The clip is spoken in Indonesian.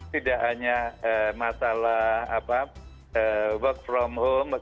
tidak hanya masalah work from home